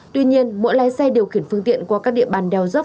tuy nhiên mỗi lái xe điều khiển phương tiện qua các địa bàn đèo dốc